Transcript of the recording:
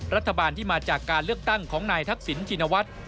รัฐบาลที่มาจากการเลือกตั้งของนายทักษิณชินวัฒน์